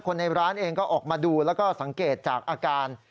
ในร้านเองก็ออกมาดูแล้วก็สังเกตจากอาการ